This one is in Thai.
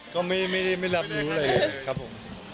ก็ไม่รับรู้เลยครับผม